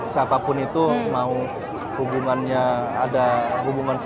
siapapun itu mau hubungannya ada hubungannya